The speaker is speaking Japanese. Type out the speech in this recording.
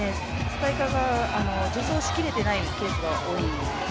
スパイカーが助走し切れてないケースが多い。